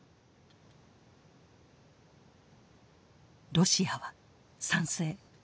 ロシアは賛成。